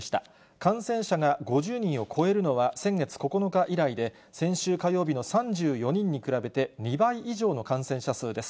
感染者が５０人を超えるのは、先月９日以来で、先週火曜日の３４人に比べて、２倍以上の感染者数です。